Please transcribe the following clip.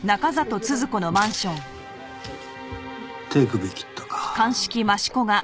手首切ったか。